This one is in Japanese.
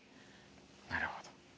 なるほど。